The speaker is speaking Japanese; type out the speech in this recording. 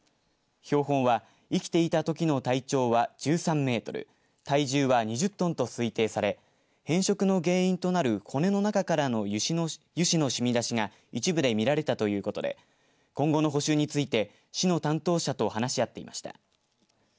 標本は生きていたときの体長は１３メートル体重は２０トンと推定され変色の原因となる骨の中からの油脂の染み出しが一部で見られたということで今後の補修について市の担当者と話し合っていました。